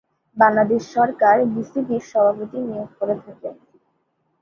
বাংলাদেশ সরকার বিসিবি’র সভাপতি নিয়োগ করে থাকেন।